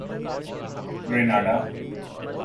Grenada